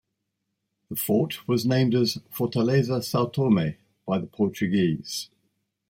The fort was named as Fortaleza Sao Tome, by the Portuguese.